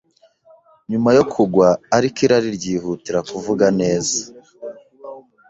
Nyuma yo kugwa ariko irari ryihutira kuvuga neza